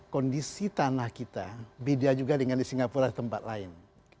kondisi tanah kita beda juga dengan di singapura dan tempat lain